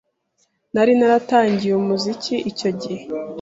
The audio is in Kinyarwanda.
Nari naratangiye umuziki icyo gihe